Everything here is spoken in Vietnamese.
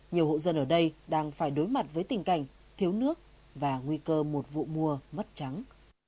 nhiều hộ dân ở đây đang phải đối mặt với tình cảnh thiếu nước và nguy cơ một vụ mua mất trắng